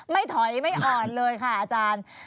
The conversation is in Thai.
ไม่ถอยไม่อ่อนเลยค่ะอาจารย์